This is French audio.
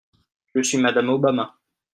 Je suis Mme Obama.